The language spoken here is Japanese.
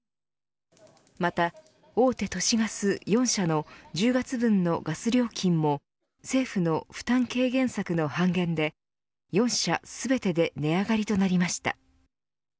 また、大手都市ガス４社の１０月分のガス料金も政府の負担軽減策の半減で４社全てで値上がりとなりました。